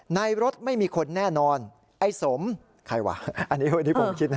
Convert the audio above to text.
ในรถไม่มีคนแน่นอนไอ้สมใครวะอันนี้วันนี้ผมคิดนะ